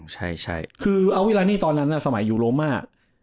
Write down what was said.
ใช่คืออาวิรานี่ตอนนั้นสมัยยูโรมา